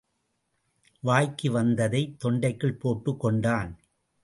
வாய்க்கு வந்தததை, தொண்டைக்குள் போட்டுக் கொண்டான்.